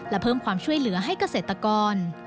และเพิ่มความช่วยเหลือให้เกษตรกร